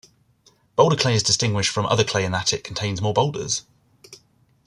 Boulder clay is distinguished from other clay in that it contains more boulders.